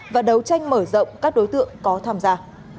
và đấu tranh mở rộng các đối tượng có tham gia